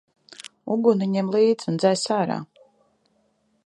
Uguni ņem līdz un dzēs ārā!